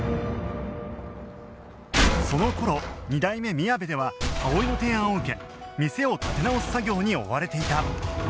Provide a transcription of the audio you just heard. その頃二代目みやべでは葵の提案を受け店を立て直す作業に追われていた